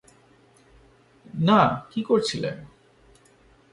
না কী করছিলে?